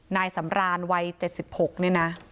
นายสำรานวัย๗๖เนี่ยนะ